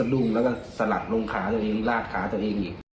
ลากล่ะะครับอย่างไรนี่